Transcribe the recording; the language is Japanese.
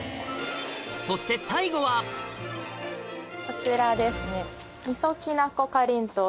そして最後はこちらですね。